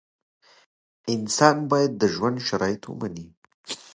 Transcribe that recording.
انسان باید د ژوند شرایط ومني.